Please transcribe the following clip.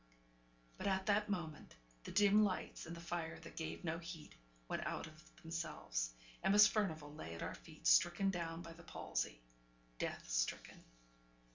But at that moment, the dim lights, and the fire that gave no heat, went out of themselves, and Miss Furnivall lay at our feet stricken down by the palsy death stricken.